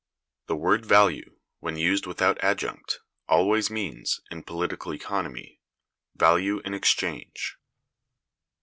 The word Value, when used without adjunct, always means, in political economy, value in exchange.